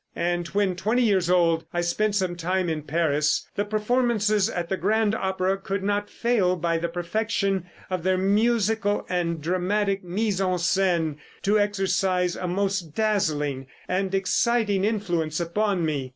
And when, twenty years ago, I spent some time in Paris, the performances at the Grand Opera could not fail by the perfection of their musical and dramatic mise en scène to exercise a most dazzling and exciting influence upon me.